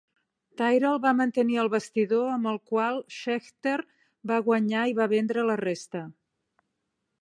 Tyrrell va mantenir el bastidor amb el qual Scheckter va guanyar i va vendre la resta.